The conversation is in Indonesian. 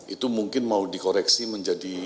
itu mungkin mau dikoreksi menjadi lima lima